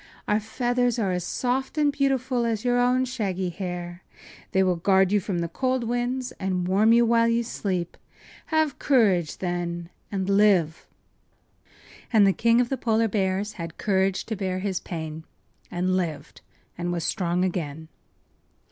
Our feathers are as soft and beautiful as your own shaggy hair. They will guard you from the cold winds and warm you while you sleep. Have courage, then, and live!” And the King of the Polar Bears had courage to bear his pain and lived and was strong again.